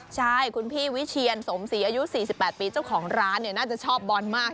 ใช่คุณพี่วิเชียนสมศรีอายุ๔๘ปีเจ้าของร้านน่าจะชอบบอลมาก